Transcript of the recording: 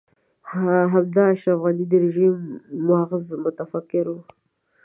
همدا اشرف غني د رژيم مغز متفکر و.